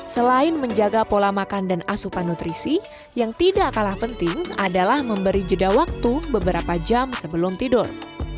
selain menjaga pola makan dan asupan nutrisi yang tidak kalah penting adalah memberi jeda waktu beberapa jam sebelum tidur